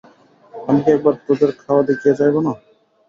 আমি কি একবার তোদের খাওয়া দেখিয়া যাইব না।